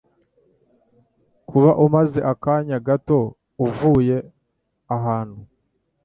Kuba umaze akanya gato uvuye ahantu.